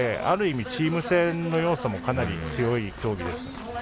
ある意味チーム戦の要素もかなり強い競技です。